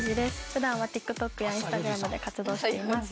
普段はＴｉｋＴｏｋやＩｎｓｔａｇｒａｍで活動しています。